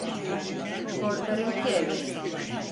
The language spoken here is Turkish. Korkarım ki evet.